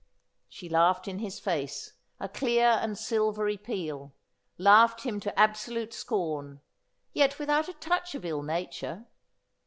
She laughed in his face, a clear and silvery peal — laughed him to absolute scorn ; yet without a touch of ill nature.